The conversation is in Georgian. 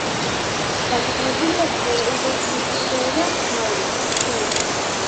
განვითარებულია მეთევზეობა, ნაოსნობა.